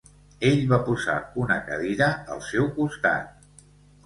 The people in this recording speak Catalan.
Ell va posar una cadira al seu costat.